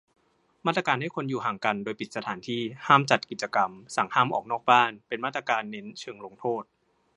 มาตรการให้คนอยู่ห่างกัน โดยปิดสถานที่ ห้ามจัดกิจกรรม สั่งห้ามออกจากบ้าน เป็นมาตรการเน้นเชิงลงโทษ